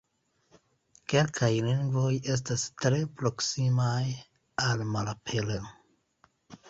Kelkaj lingvoj estas tre proksimaj al malapero.